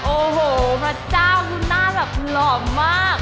โอ้โหพระเจ้าคุณหน้าแบบหล่อมาก